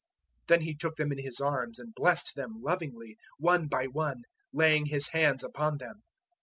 010:016 Then He took them in His arms and blessed them lovingly, one by one, laying His hands upon them.